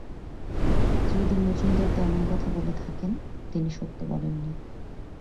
যদি মজুমদার তেমন কথা বলে থাকেন, তিনি সত্য বলেননি।